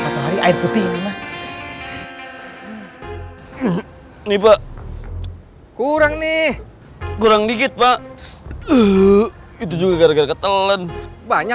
matahari air putih ini mah nih pak kurang nih kurang dikit pak itu juga gara gara ketelan banyak